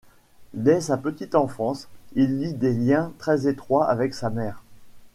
Dès sa petite enfance, il lie des liens très étroits avec sa mère.